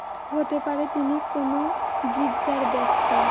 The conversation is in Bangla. হতে পারে তিনি কোন গীর্জার বক্তা।